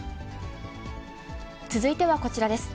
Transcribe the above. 続いてはこちらです。